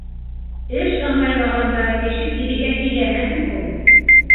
Эш ыңғайланғанда кеше кирегә һөйләмәһен ул!